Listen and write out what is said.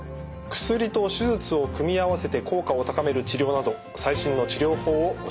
薬と手術を組み合わせて効果を高める治療など最新の治療法をご紹介します。